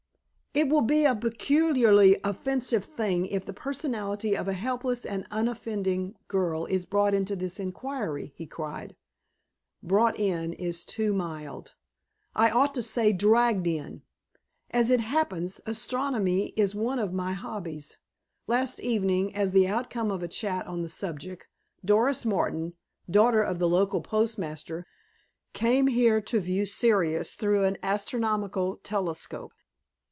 "It will be a peculiarly offensive thing if the personality of a helpless and unoffending girl is brought into this inquiry," he cried. "'Brought in' is too mild—I ought to say 'dragged in.' As it happens, astronomy is one of my hobbies. Last evening, as the outcome of a chat on the subject, Doris Martin, daughter of the local postmaster, came here to view Sirius through an astronomical telescope.